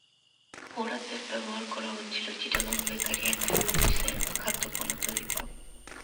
পোড়া তেল ব্যবহার করা হচ্ছিল চিটাগাং বেকারি অ্যান্ড ফুডসের খাদ্যপণ্য তৈরিতেও।